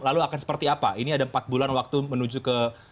lalu akan seperti apa ini ada empat bulan waktu menuju ke